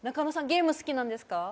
ゲーム好きなんですか？